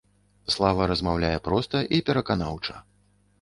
Слава размаўляе проста і пераканаўча.